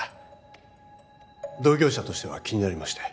同業者としては気になりまして。